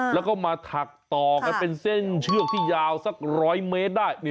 แล้วก็มาถักต่อกันเป็นเส้นเชือกที่ยาวสัก๑๐๐เมตรได้